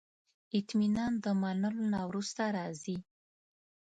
اطمینان د منلو نه وروسته راځي.